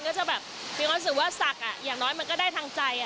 มีความรู้สึกว่าสักอย่างน้อยมันก็ได้ทางใจ